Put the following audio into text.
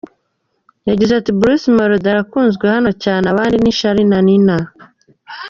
Yagize ati “Bruce Melody arakunzwe hano cyane, abandi ni ba Charly&Nina.